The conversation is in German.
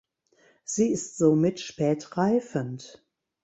Sie ist somit spät reifend.